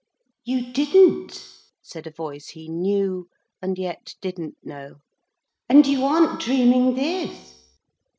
'You didn't,' said a voice he knew and yet didn't know, 'and you aren't dreaming this.'